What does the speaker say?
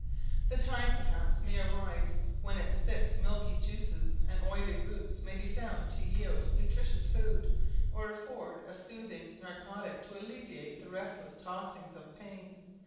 The time, perhaps, may arrive when its thick milky juices and oily roots may be found to yield nutricious food, or afford a soothing narcotic to alleviate the restless tossings of pain.